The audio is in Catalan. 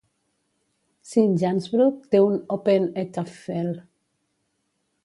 Sint Jansbrug té un "open eettafel".